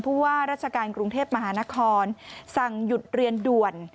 ว่าราชการกรุงเทพมหานครสั่งหยุดเรียนด่วน